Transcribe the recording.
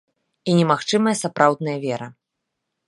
І не магчымая сапраўдная вера.